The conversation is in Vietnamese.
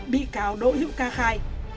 bị cáo đỗ hiệu ca khai